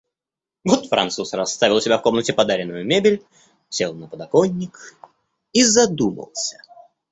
Вот француз расставил у себя в комнате подаренную мебель, сел на подоконник и задумался.